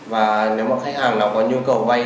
và nếu mà khách hàng có nhu cầu quay